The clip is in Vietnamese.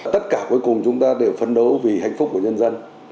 tất cả cuối cùng chúng ta đều phấn đấu vì hạnh phúc của nhân dân